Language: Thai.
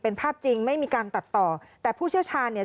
เป็นภาพจริงไม่มีการตัดต่อแต่ผู้เชี่ยวชาญเนี่ย